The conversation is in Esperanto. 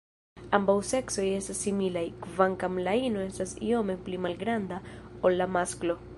Ambaŭ seksoj estas similaj, kvankam la ino estas iome pli malgranda ol la masklo.